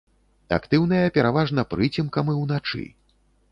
Актыўныя пераважна прыцемкам і ўначы.